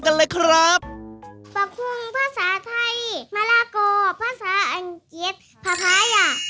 สัตว์ต่างเป็นภาษาอีสานจ้า